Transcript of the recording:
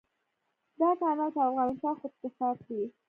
دا کانال به افغانستان خودکفا کړي.